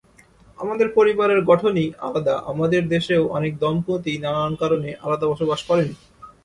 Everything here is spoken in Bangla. আমাদের পরিবারের গঠনই আলাদাআমাদের দেশেও অনেক দম্পতি নানান কারণে আলাদা বসবাস করেন।